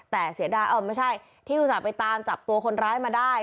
แต่เสียดายเออไม่ใช่ที่อุตส่าห์ไปตามจับตัวคนร้ายมาได้